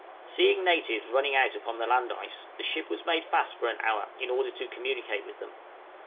Seeing natives running out upon the land ice, the ship was made fast for an hour in order to communicate with them.